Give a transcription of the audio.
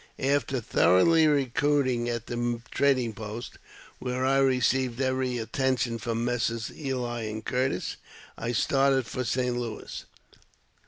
After thoroughly recruiting at the trading post, where I re ceived every attention from Messrs. Ely and Curtis, I started for St. Louis.